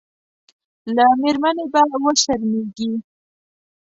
له مېرمنې به وشرمېږي.